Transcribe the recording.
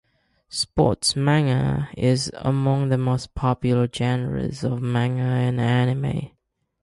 Sports manga is among the most popular genres of manga and anime.